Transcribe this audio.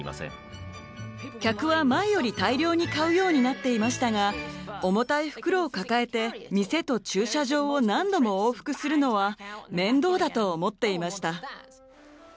客は前より大量に買うようになっていましたが重たい袋を抱えて店と駐車場を何度も往復するのは面倒だと思っていました。